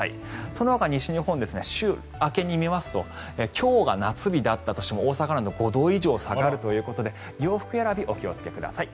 そのほか西日本週明けを見ますと今日が夏日だったとしても大阪なんかは５度以上下がるということで洋服選びお気をつけください。